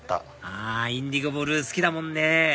あインディゴブルー好きだもんね